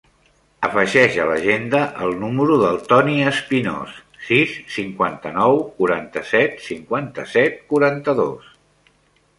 Afegeix a l'agenda el número del Toni Espinos: sis, cinquanta-nou, quaranta-set, cinquanta-set, quaranta-dos.